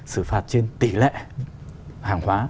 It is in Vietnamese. sử phạt trên tỷ lệ hàng hóa